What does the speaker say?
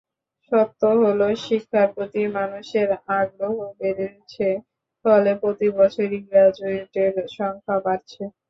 সত্য হলো, শিক্ষার প্রতি মানুষের আগ্রহ বেড়েছে, ফলে প্রতিবছরই গ্র্যাজুয়েটের সংখ্যা বাড়ছে।